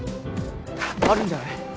あるんじゃない？